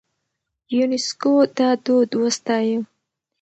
يونيسکو دا دود وستايه.